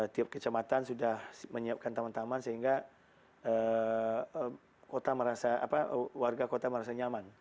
tiap kecamatan sudah menyiapkan taman taman sehingga warga kota merasa nyaman